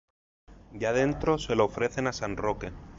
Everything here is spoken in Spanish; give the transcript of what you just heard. Ya dentro, se lo ofrecen a San Roque.